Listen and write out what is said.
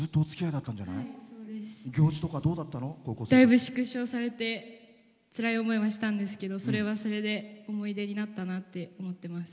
だいぶ、縮小されてつらい思いをしたんですけどそれはそれで思い出になったなって思ってます。